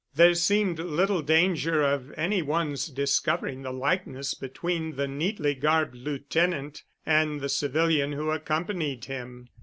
There seemed little danger of any one's discovering the likeness between the neatly garbed lieutenant and the civilian who accompanied him.